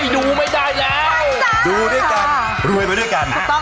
ดูด้วยกันรวยไปด้วยกัน